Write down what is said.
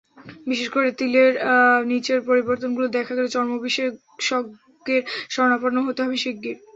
বিশেষ করে তিলের নিচের পরিবর্তনগুলো দেখা গেলে চর্মবিশেষজ্ঞের শরণাপন্ন হতে হবে শিগগির।